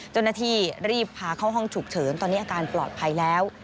เจ้าหน้าที่รีบพาเข้าห้องฉุกเฉินตอนนี้อาการปลอดภัยแล้ว